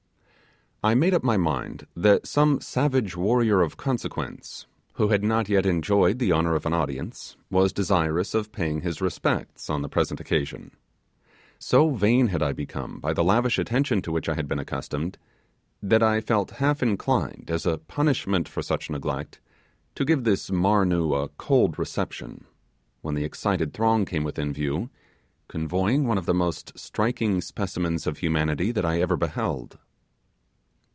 I made up my mind that some savage warrior of consequence, who had not yet enjoyed the honour of an audience, was desirous of paying his respects on the present occasion. So vain had I become by the lavish attention to which I had been accustomed, that I felt half inclined, as a punishment for such neglect, to give this Marnoo a cold reception, when the excited throng came within view, convoying one of the most striking specimens of humanity that I ever beheld.